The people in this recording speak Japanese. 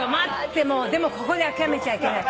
でもここで諦めちゃいけない。